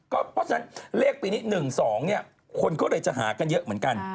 เพราะฉะนั้นเลขปีนี้๑๒คนก็เลยจะหากันเยอะเหมือนกัน